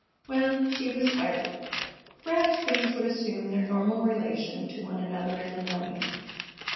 Well, she was tired. Perhaps things would assume their normal relation to one another in the morning.